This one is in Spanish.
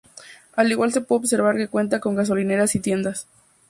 Al igual se puede observar que cuenta con gasolineras y tiendas.